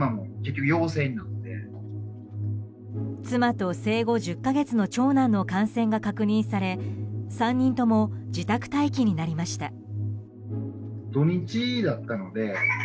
妻と生後１０か月の長男の感染が確認され３人とも自宅待機になりました。